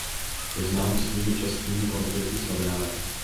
Je znám svými častými konflikty s novináři.